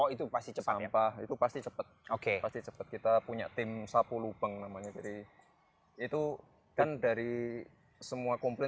itu pasti cepat itu pasti cepet oke pasti cepet kita punya tim sapu lubang namanya jadi itu kan dari semua komplain